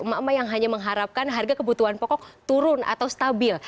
emak emak yang hanya mengharapkan harga kebutuhan pokok turun atau stabil